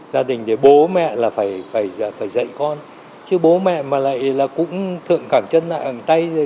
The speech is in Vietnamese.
gia đình thì bố mẹ là phải dạy con chứ bố mẹ mà lại là cũng thượng cảm chân lại bằng tay rồi